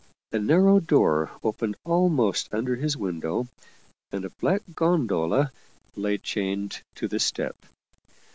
A narrow door opened almost under his window and a black gondola lay chained ' to the step.